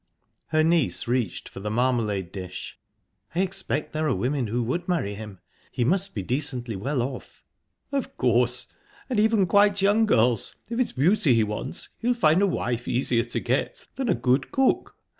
Her niece reached for the marmalade dish. "I expect there are women who would marry him. He must be decently well off." "Of course and even quite young girls. If it's beauty he wants he'll find a wife easier to get than a good cook.